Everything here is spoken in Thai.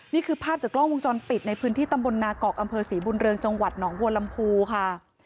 นี่คือภาพจากกล้องวงจรปิดในพื้นที่ตำบลนากอกอำเภอศรีบุญเรืองจังหวัดหนองบัวลำพูค่ะ